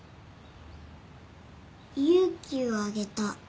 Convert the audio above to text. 勇気をあげた。